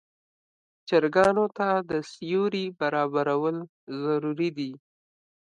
چرګانو ته د سیوري برابرول ضروري دي.